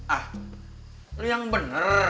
ah lo yang bener